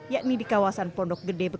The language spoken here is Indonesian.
yakni di kawasan pondok gede